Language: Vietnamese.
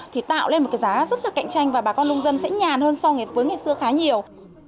thì tạo lên một cái giá rất là cạnh tranh và bà con nông dân sẽ nhàn hơn so với ngày xưa khá nhiều